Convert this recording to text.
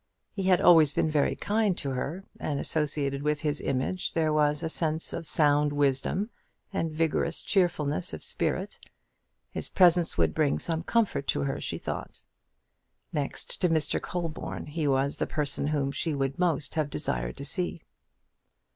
He had always been very kind to her, and associated with his image there was a sense of sound wisdom and vigorous cheerfulness of spirit. His presence would bring some comfort to her, she thought. Next to Mr. Colborne, he was the person whom she would most have desired to see.